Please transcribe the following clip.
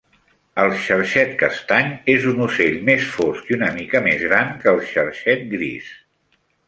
El xarxet castany és un ocell més fosc i una mica més gran que el xarxet gris.